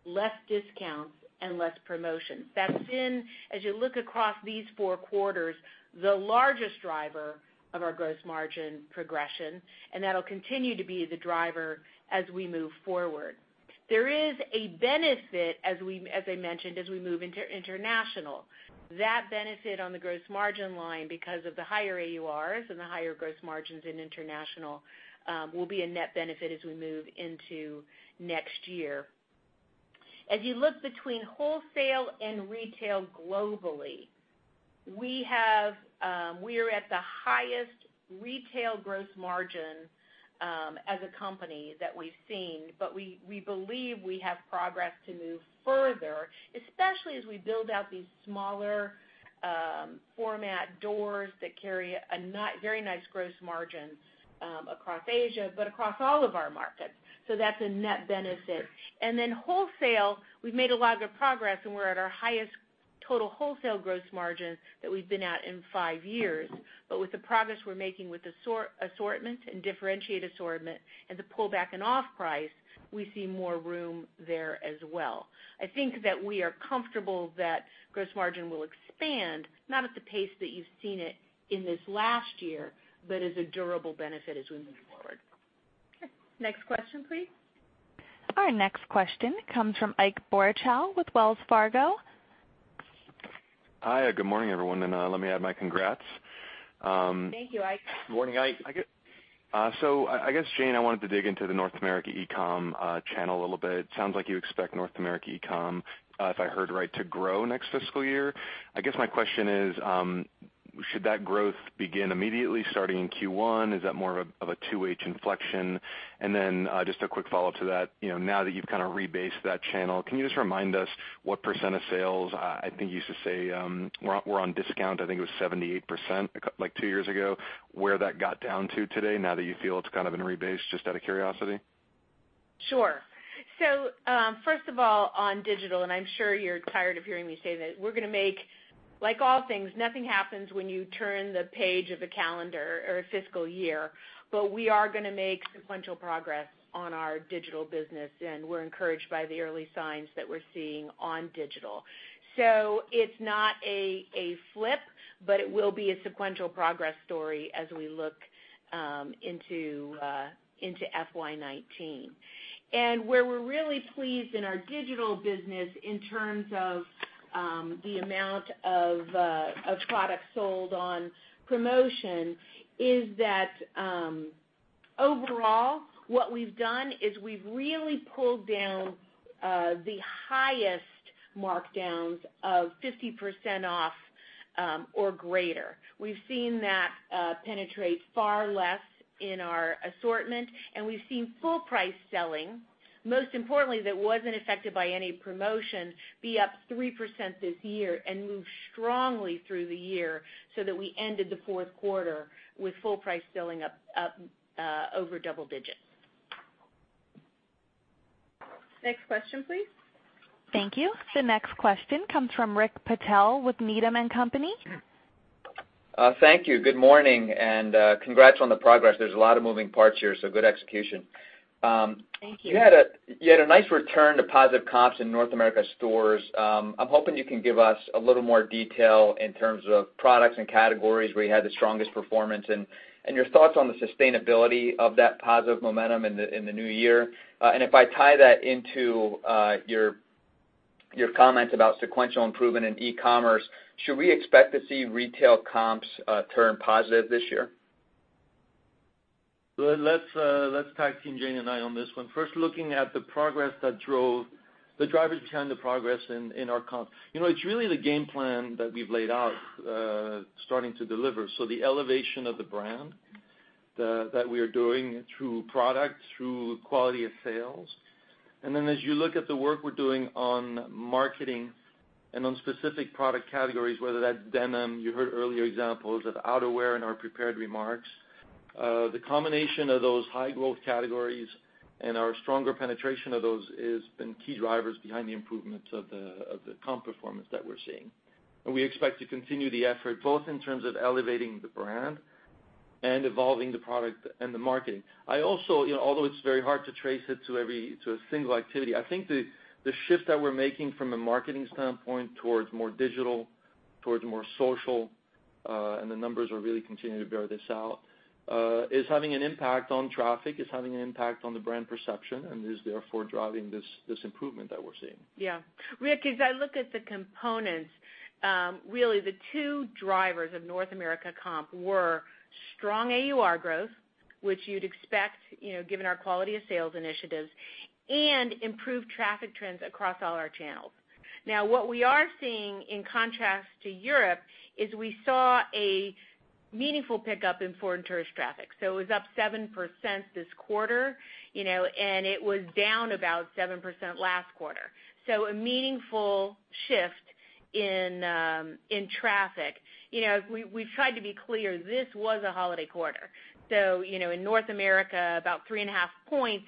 less discounts, and less promotions. That's been, as you look across these four quarters, the largest driver of our gross margin progression, and that'll continue to be the driver as we move forward. There is a benefit, as I mentioned, as we move into international. That benefit on the gross margin line because of the higher AURs and the higher gross margins in international will be a net benefit as we move into next year. As you look between wholesale and retail globally, we are at the highest retail gross margin, as a company, that we've seen. We believe we have progress to move further, especially as we build out these smaller format doors that carry very nice gross margins across Asia, but across all of our markets. That's a net benefit. Wholesale, we've made a lot of good progress, and we're at our highest total wholesale gross margin that we've been at in five years. With the progress we're making with assortment and differentiated assortment and the pullback in off-price, we see more room there as well. I think that we are comfortable that gross margin will expand, not at the pace that you've seen it in this last year, but as a durable benefit as we move forward. Okay, next question please. Our next question comes from Ike Boruchow with Wells Fargo. Hi, good morning, everyone, and let me add my congrats. Thank you, Ike. Good morning, Ike. I guess, Jane, I wanted to dig into the North America e-com channel a little bit. Sounds like you expect North America e-com, if I heard right, to grow next fiscal year. I guess my question is, should that growth begin immediately starting in Q1? Is that more of a 2H inflection? Then, just a quick follow-up to that. Now that you've kind of rebased that channel, can you just remind us what percent of sales, I think you used to say, were on discount, I think it was 78%, like two years ago, where that got down to today now that you feel it's kind of been rebased, just out of curiosity? Sure. First of all, on digital, and I'm sure you're tired of hearing me say this, like all things, nothing happens when you turn the page of a calendar or a fiscal year, but we are going to make sequential progress on our digital business, and we're encouraged by the early signs that we're seeing on digital. It's not a flip, but it will be a sequential progress story as we look into FY 2019. Where we're really pleased in our digital business in terms of the amount of products sold on promotion is that, overall, what we've done is we've really pulled down the highest markdowns of 50% off or greater. We've seen that penetrate far less in our assortment, we've seen full price selling, most importantly, that wasn't affected by any promotion, be up 3% this year and move strongly through the year so that we ended the fourth quarter with full price selling up over double digits. Next question, please. Thank you. The next question comes from Rick Patel with Needham & Company. Thank you. Good morning, and congrats on the progress. There's a lot of moving parts here, so good execution. Thank you. You had a nice return to positive comps in North America stores. I'm hoping you can give us a little more detail in terms of products and categories where you had the strongest performance and your thoughts on the sustainability of that positive momentum in the new year. If I tie that into your comments about sequential improvement in e-commerce, should we expect to see retail comps turn positive this year? Let's tag team, Jane and I, on this one. First, looking at the drivers behind the progress in our comps. It's really the game plan that we've laid out starting to deliver. The elevation of the brand that we are doing through product, through quality of sales. As you look at the work we're doing on marketing and on specific product categories, whether that's denim, you heard earlier examples of outerwear in our prepared remarks. The combination of those high growth categories and our stronger penetration of those has been key drivers behind the improvements of the comp performance that we're seeing. We expect to continue the effort both in terms of elevating the brand and evolving the product and the marketing. Although it's very hard to trace it to a single activity, I think the shift that we're making from a marketing standpoint towards more digital, towards more social, and the numbers are really continuing to bear this out, is having an impact on traffic, is having an impact on the brand perception, and is therefore driving this improvement that we're seeing. Yeah. Rick, as I look at the components, really the two drivers of North America comp were strong AUR growth, which you'd expect given our quality of sales initiatives, and improved traffic trends across all our channels. Now, what we are seeing in contrast to Europe is we saw meaningful pickup in foreign tourist traffic. It was up 7% this quarter, and it was down about 7% last quarter. A meaningful shift in traffic. We've tried to be clear, this was a holiday quarter. In North America, about three and a half points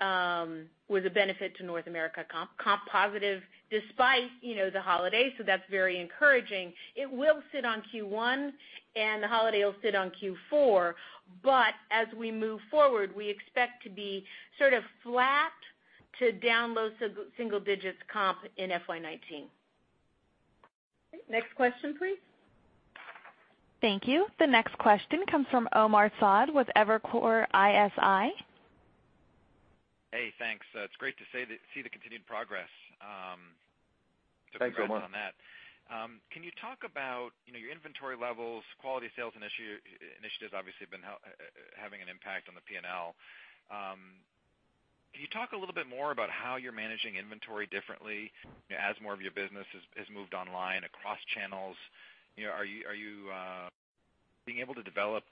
was a benefit to North America comp. Comp positive despite the holiday. That's very encouraging. It will sit on Q1, and the holiday will sit on Q4. As we move forward, we expect to be sort of flat to down low single digits comp in FY 2019. Okay. Next question, please. Thank you. The next question comes from Omar Saad with Evercore ISI. Hey, thanks. It's great to see the continued progress. Thanks, Omar. Congratulations on that. Can you talk about your inventory levels, quality sales initiatives obviously have been having an impact on the P&L. Can you talk a little bit more about how you're managing inventory differently as more of your business has moved online across channels? Are you being able to develop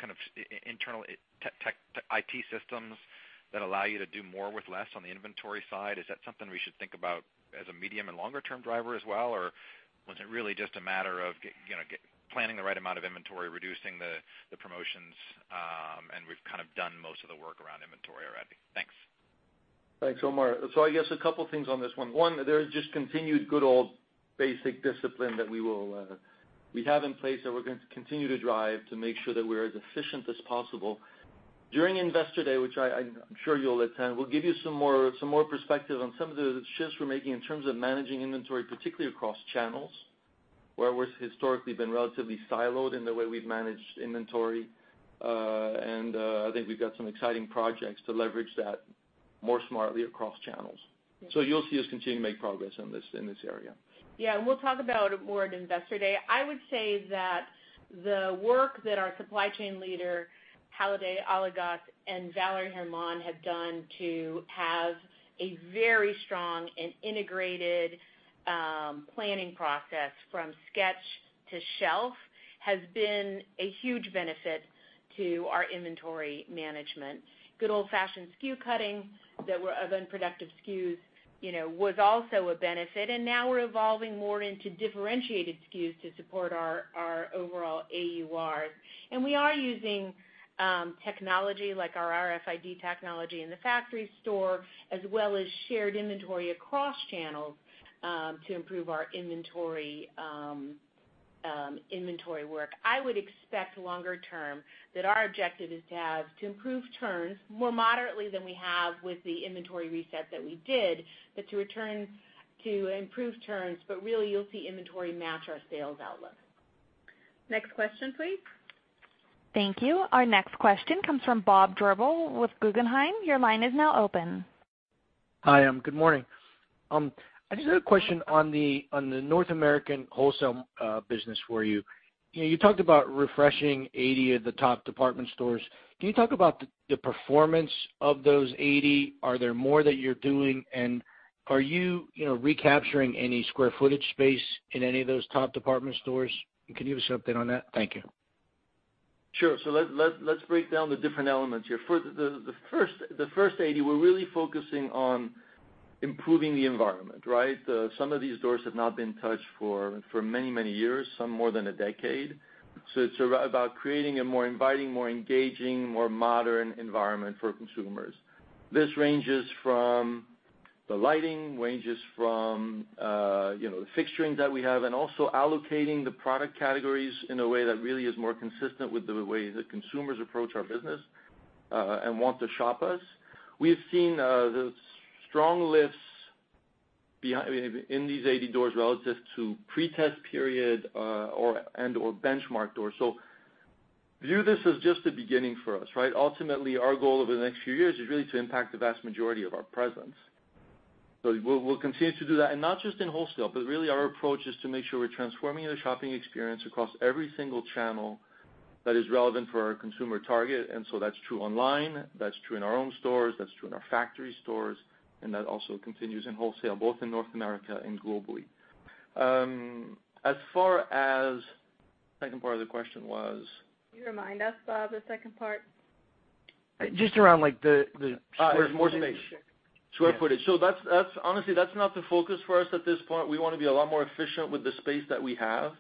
internal IT systems that allow you to do more with less on the inventory side? Is that something we should think about as a medium and longer-term driver as well? Or was it really just a matter of planning the right amount of inventory, reducing the promotions, and we've kind of done most of the work around inventory already? Thanks. Thanks, Omar. I guess a couple things on this one. One, there is just continued good old basic discipline that we have in place that we're going to continue to drive to make sure that we're as efficient as possible. During Investor Day, which I'm sure you'll attend, we'll give you some more perspective on some of the shifts we're making in terms of managing inventory, particularly across channels, where we've historically been relatively siloed in the way we've managed inventory. I think we've got some exciting projects to leverage that more smartly across channels. You'll see us continue to make progress in this area. We'll talk about it more at Investor Day. I would say that the work that our supply chain leader, Halide Alagöz and Valérie Hermann have done to have a very strong and integrated planning process from sketch to shelf has been a huge benefit to our inventory management. Good old-fashioned SKU cutting of unproductive SKUs was also a benefit. Now we're evolving more into differentiated SKUs to support our overall AURs. We are using technology like our RFID technology in the factory store, as well as shared inventory across channels to improve our inventory work. I would expect longer term that our objective is to improve turns more moderately than we have with the inventory reset that we did, but to improve turns, but really you'll see inventory match our sales outlook. Next question, please. Thank you. Our next question comes from Robert Drbul with Guggenheim. Your line is now open. Hi, good morning. I just had a question on the North American wholesale business for you. You talked about refreshing 80 of the top department stores. Can you talk about the performance of those 80? Are there more that you're doing? Are you recapturing any square footage space in any of those top department stores? Can you give us something on that? Thank you. Sure. Let's break down the different elements here. The first 80, we're really focusing on improving the environment, right? Some of these stores have not been touched for many, many years, some more than a decade. It's about creating a more inviting, more engaging, more modern environment for consumers. This ranges from the lighting, ranges from the fixturing that we have, and also allocating the product categories in a way that really is more consistent with the way that consumers approach our business and want to shop us. We have seen strong lifts in these 80 stores relative to pretest period and/or benchmark stores. View this as just the beginning for us, right? Ultimately, our goal over the next few years is really to impact the vast majority of our presence. We'll continue to do that, and not just in wholesale, but really our approach is to make sure we're transforming the shopping experience across every single channel that is relevant for our consumer target. That's true online, that's true in our own stores, that's true in our factory stores, and that also continues in wholesale, both in North America and globally. As far as the second part of the question was Can you remind us, Bob, the second part? Just around like the square footage. Square footage. Honestly, that's not the focus for us at this point. We want to be a lot more efficient with the space that we have,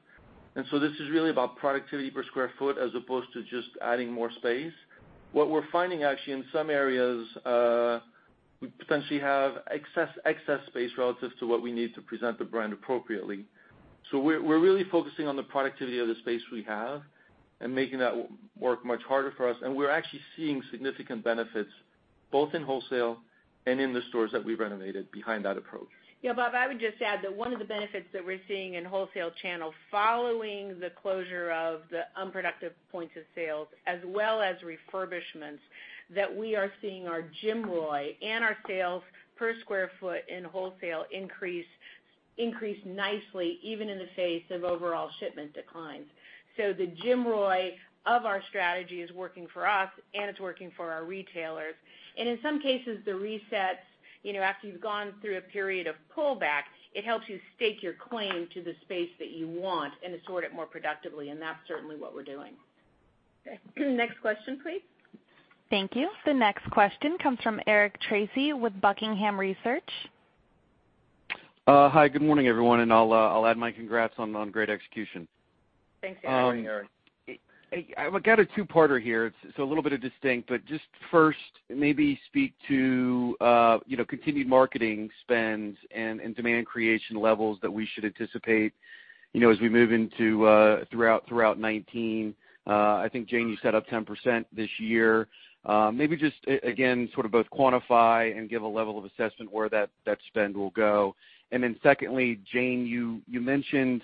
this is really about productivity per square foot as opposed to just adding more space. What we're finding, actually, in some areas, we potentially have excess space relative to what we need to present the brand appropriately. We're really focusing on the productivity of the space we have and making that work much harder for us. We're actually seeing significant benefits both in wholesale and in the stores that we've renovated behind that approach. Yeah, Bob, I would just add that one of the benefits that we're seeing in wholesale channel following the closure of the unproductive points of sales, as well as refurbishments, that we are seeing our GMROI and our sales per square foot in wholesale increase nicely even in the face of overall shipment declines. The GMROI of our strategy is working for us and it's working for our retailers. In some cases, the resets, after you've gone through a period of pullback, it helps you stake your claim to the space that you want and assort it more productively, and that's certainly what we're doing. Okay. Next question, please. Thank you. The next question comes from Eric Tracy with The Buckingham Research Group. Hi, good morning, everyone, and I'll add my congrats on great execution. Thanks, Eric. Good morning, Eric. I've got a two-parter here. It's a little bit of distinct, but just first maybe speak to continued marketing spends and demand creation levels that we should anticipate as we move throughout 2019. I think, Jane, you set up 10% this year. Maybe just, again, sort of both quantify and give a level of assessment where that spend will go. Secondly, Jane, you mentioned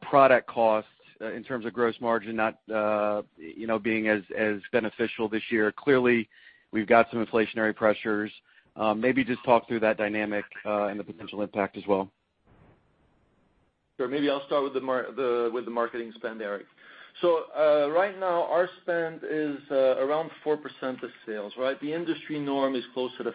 product costs in terms of gross margin, not being as beneficial this year. Clearly, we've got some inflationary pressures. Maybe just talk through that dynamic, and the potential impact as well. Sure. Maybe I'll start with the marketing spend, Eric. Right now our spend is around 4% of sales, right? The industry norm is closer to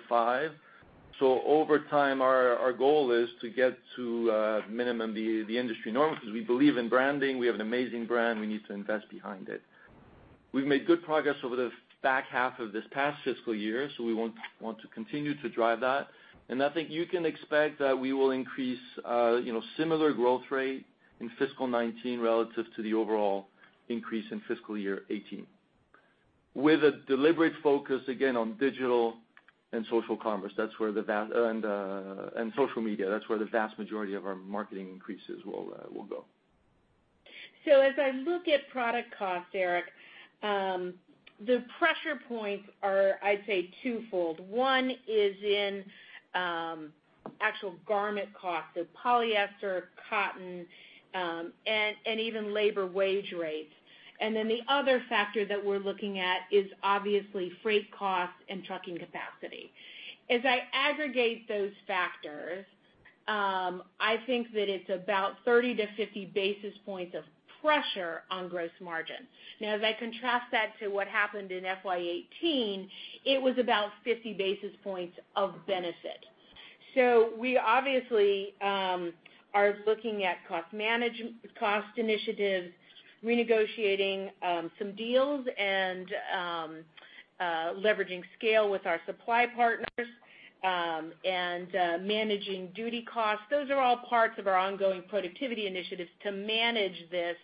five. Over time, our goal is to get to minimum the industry norm, because we believe in branding. We have an amazing brand. We need to invest behind it. We've made good progress over the back half of this past fiscal year, so we want to continue to drive that. I think you can expect that we will increase similar growth rate in fiscal 2019 relative to the overall increase in fiscal year 2018. With a deliberate focus, again, on digital and social commerce. Social media. That's where the vast majority of our marketing increases will go. As I look at product cost, Eric, the pressure points are, I'd say, twofold. One is in actual garment cost. Polyester, cotton, and even labor wage rates. The other factor that we're looking at is obviously freight costs and trucking capacity. As I aggregate those factors, I think that it's about 30 to 50 basis points of pressure on gross margin. Now, as I contrast that to what happened in FY 2018, it was about 50 basis points of benefit. We obviously are looking at cost initiatives, renegotiating some deals and leveraging scale with our supply partners, and managing duty costs. Those are all parts of our ongoing productivity initiatives to manage this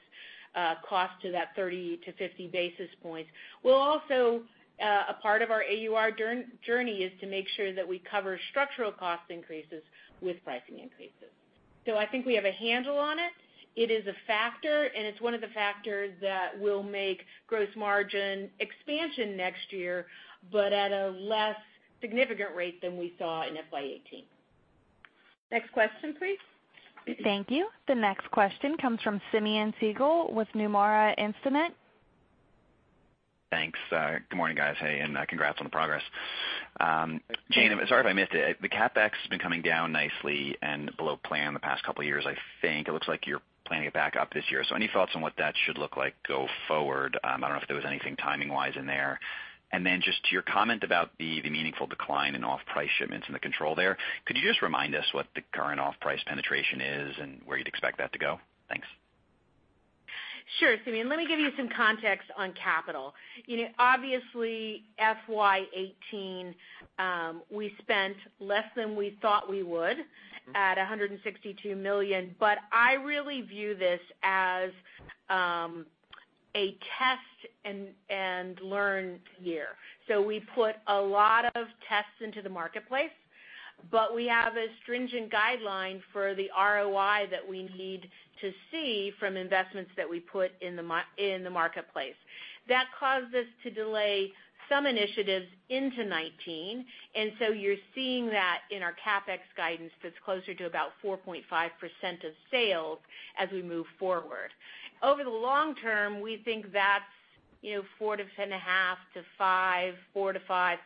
cost to that 30 to 50 basis points. We'll also, a part of our AUR journey is to make sure that we cover structural cost increases with pricing increases. I think we have a handle on it. It is a factor, and it's one of the factors that will make gross margin expansion next year, but at a less significant rate than we saw in FY 2018. Next question, please. Thank you. The next question comes from Simeon Siegel with Nomura Instinet. Thanks. Good morning, guys. Hey, congrats on the progress. Thank you. Jane, I'm sorry if I missed it. The CapEx has been coming down nicely and below plan the past couple of years, I think. It looks like you're planning it back up this year. Any thoughts on what that should look like go forward? I don't know if there was anything timing-wise in there. Just to your comment about the meaningful decline in off-price shipments and the control there, could you just remind us what the current off-price penetration is and where you'd expect that to go? Thanks. Sure, Simeon. Let me give you some context on capital. FY 2018, we spent less than we thought we would at $162 million. I really view this as a test and learn year. We put a lot of tests into the marketplace. We have a stringent guideline for the ROI that we need to see from investments that we put in the marketplace. That caused us to delay some initiatives into 2019. You're seeing that in our CapEx guidance that's closer to about 4.5% of sales as we move forward. Over the long term, we think that 4.5%-5%, 4%-5%,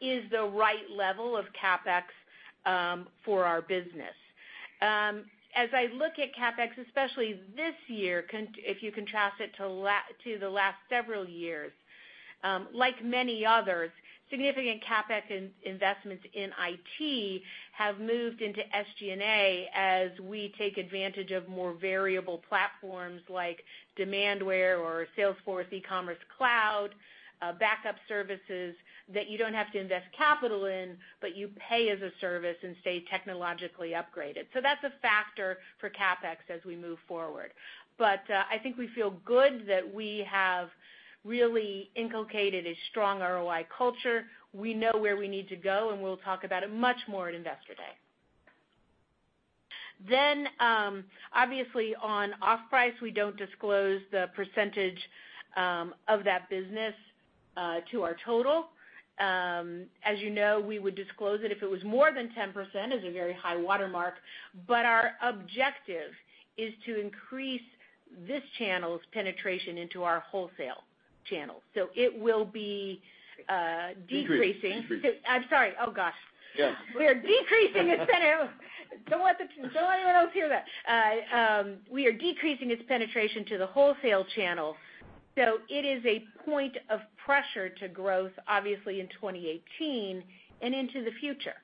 is the right level of CapEx for our business. As I look at CapEx, especially this year, if you contrast it to the last several years, like many others, significant CapEx investments in IT have moved into SG&A as we take advantage of more variable platforms like Demandware or Salesforce Commerce Cloud, backup services, that you don't have to invest capital in. You pay as a service and stay technologically upgraded. That's a factor for CapEx as we move forward. I think we feel good that we have really inculcated a strong ROI culture. We know where we need to go, and we'll talk about it much more at Investor Day. Obviously on off-price, we don't disclose the percentage of that business to our total. As you know, we would disclose it if it was more than 10%, as a very high watermark. Our objective is to increase this channel's penetration into our wholesale channel. It will be decreasing. Decrease. I'm sorry. Oh, gosh. Yeah. We are decreasing its penetration. Don't let anyone else hear that. We are decreasing its penetration to the wholesale channel. It is a point of pressure to growth, obviously, in 2018 and into the future.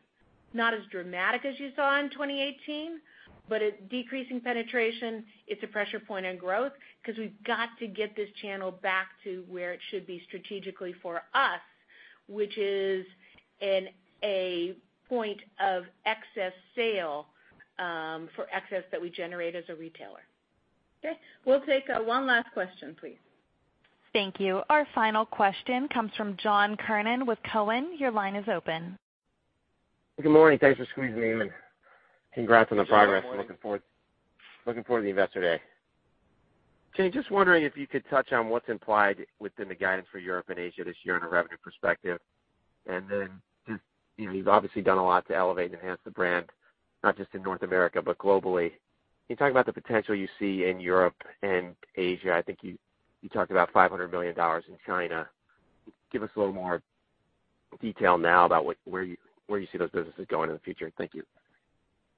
Not as dramatic as you saw in 2018, but a decreasing penetration, it's a pressure point on growth because we've got to get this channel back to where it should be strategically for us, which is in a point of excess sale for excess that we generate as a retailer. Okay. We'll take one last question, please. Thank you. Our final question comes from John Kernan with Cowen. Your line is open. Good morning. Thanks for squeezing me in. Congrats on the progress. Looking forward to the Investor Day. Jane, just wondering if you could touch on what's implied within the guidance for Europe and Asia this year in a revenue perspective. You've obviously done a lot to elevate and enhance the brand, not just in North America but globally. Can you talk about the potential you see in Europe and Asia? I think you talked about $500 million in China. Give us a little more detail now about where you see those businesses going in the future. Thank you.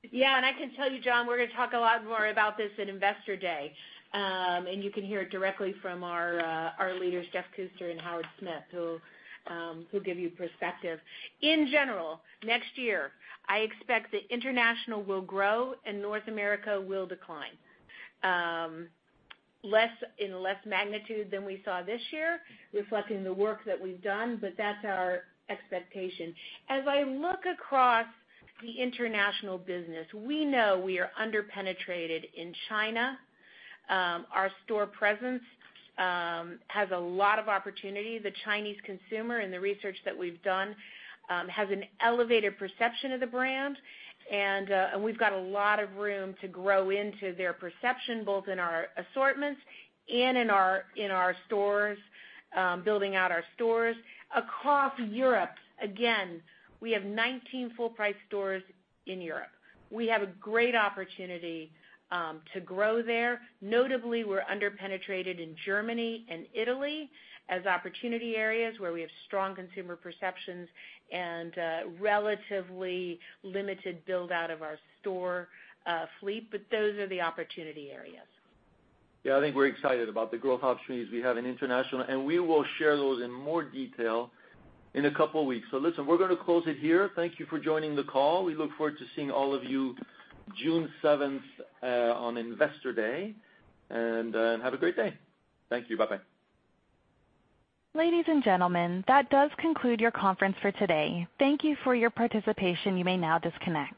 I can tell you, John, we're gonna talk a lot more about this at Investor Day. You can hear it directly from our leaders, Jeff Kuster and Howard Smith, who give you perspective. In general, next year, I expect that international will grow and North America will decline. In less magnitude than we saw this year, reflecting the work that we've done, but that's our expectation. As I look across the international business, we know we are under-penetrated in China. Our store presence has a lot of opportunity. The Chinese consumer, in the research that we've done, has an elevated perception of the brand, and we've got a lot of room to grow into their perception, both in our assortments and in our stores, building out our stores. Across Europe, again, we have 19 full-price stores in Europe. We have a great opportunity to grow there. Notably, we're under-penetrated in Germany and Italy as opportunity areas where we have strong consumer perceptions and a relatively limited build-out of our store fleet. Those are the opportunity areas. I think we're excited about the growth opportunities we have in international. We will share those in more detail in a couple of weeks. Listen, we're going to close it here. Thank you for joining the call. We look forward to seeing all of you June 7th on Investor Day. Have a great day. Thank you. Bye-bye. Ladies and gentlemen, that does conclude your conference for today. Thank you for your participation. You may now disconnect.